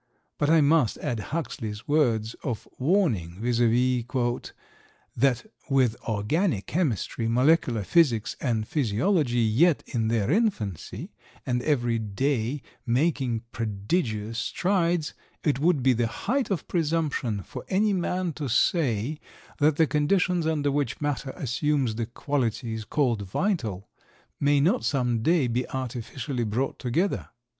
But I must add Huxley's words of warning, viz., "that with organic chemistry, molecular physics, and physiology yet in their infancy, and every day making prodigious strides, it would be the height of presumption for any man to say that the conditions under which matter assumes the qualities called vital, may not some day be artificially brought together."